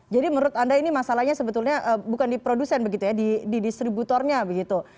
menurut anda ini masalahnya sebetulnya bukan di produsen begitu ya di distributornya begitu